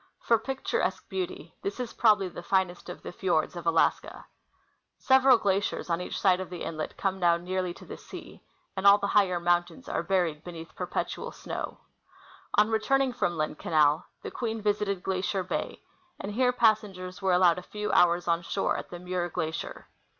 For picturesque beauty, this is probably the finest of the fjords of Alaska. Several glaciers on each side of the inlet come down nearly to the sea, and all the higher mountains are buried beneath perpetual snlow^ On returning from Lynn canal, the Queen visited Glacier bay, and here passengers were allowed a few hours on shore at the Muir glacier.